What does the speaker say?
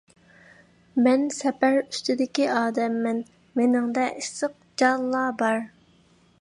مەن سەپەر ئۈستىدىكى ئادەممەن، مېنىڭدە ئىسسىق جانلا بار.